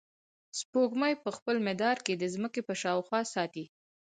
سپوږمۍ په خپل مدار کې د ځمکې په شاوخوا ساتي.